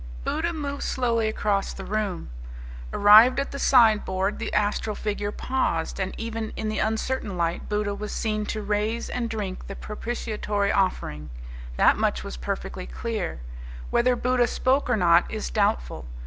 Buddha moved slowly across the room. Arrived at the sideboard the astral figure paused, and even in the uncertain light Buddha was seen to raise and drink the propitiatory offering. That much was perfectly clear. Whether Buddha spoke or not is doubtful.